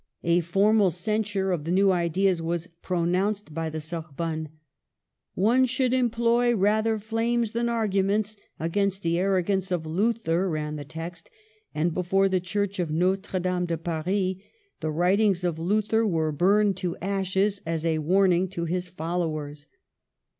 A formal censure of the new ideas was pronounced by the Sorbonne :" One should employ rather flames than arguments against the arrogance of Luther," ran the text; and before the Church of Notre Dame de Paris the writings of Luther were burned to ashes, as a warning to his followers.